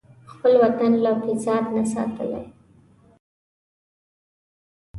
خپل وطن له فساد نه ساتلی.